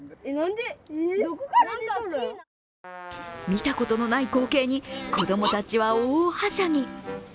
見たことのない光景に子供たちは大はしゃぎ。